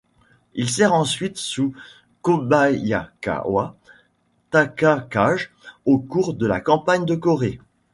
Il sert ensuite sous Kobayakawa Takakage au cours de la campagne de Corée.